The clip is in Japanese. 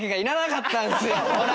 ほら！